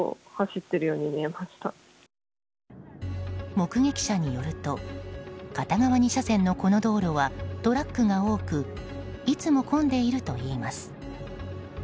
目撃者によると片側２車線のこの道路はトラックが多くいつも混んでいるといいます。